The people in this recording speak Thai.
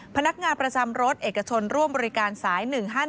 พนักงานประจำรถเอกชนร่วมบริการสาย๑๕๑